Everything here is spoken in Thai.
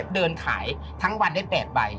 เดินขายทั้งวันได้๘ใบ